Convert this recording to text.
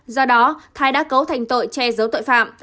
do đó thái đã cấu thành tội che giấu tội phạm